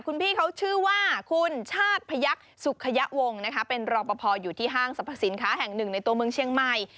คุณพี่เขาชื่อว่าคุณชาติพยักษ์สุขยะวงนะคะเป็นรอปภอยู่ที่ห้างสรรพสินค้าแห่งหนึ่งในตัวเมืองเชียงใหม่